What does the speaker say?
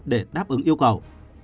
để đáp ứng yêu cầu